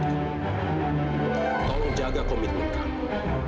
tolong jaga komitmen kamu